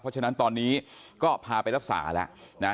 เพราะฉะนั้นตอนนี้ก็พาไปรักษาแล้วนะ